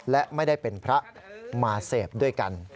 และไม่ได้เป็นพระมาเสพด้วยกัน